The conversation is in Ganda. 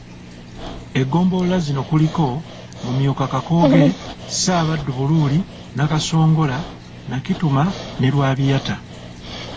Eggombolola zino kuliko; Mumyuka Kakooge, Ssaabaddu Buluuli, Nakasongola, Nakituma ne Lwabiyata.